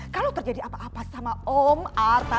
kalau terjadi apa apa sama om art